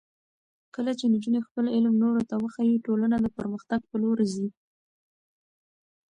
کله چې نجونې خپل علم نورو ته وښيي، ټولنه د پرمختګ په لور ځي.